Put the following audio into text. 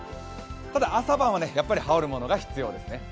ただ朝晩は、やっぱり羽織るものが必要ですね。